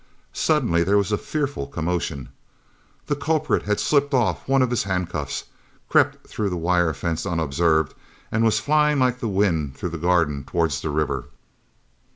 Suddenly there was a fearful commotion. The culprit had slipped off one of his handcuffs, crept through the wire fence unobserved, and was flying like the wind through the garden towards the river.